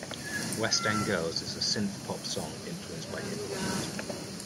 "West End Girls" is a synthpop song influenced by hip hop music.